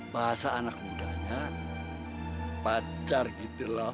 bahasa anak mudanya pacar gitu loh